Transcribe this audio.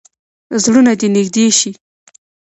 زړونه دې نږدې شي.